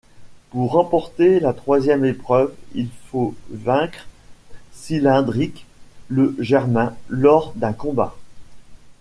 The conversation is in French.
Pour remporter la troisième épreuve, il faut vaincre Cylindric le Germain lors d'un combat.